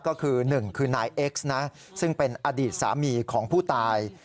ก็คือหนึ่งคือนายเอ็กซ์นะซึ่งเป็นอดีตสามีของผู้ตาย